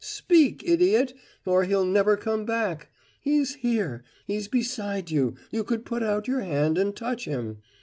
speak, idiot, or he'll never come back! He's here, he's beside you you could put out your hand and touch him!